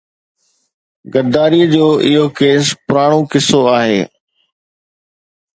غداري جو اهو ڪيس پراڻو قصو آهي.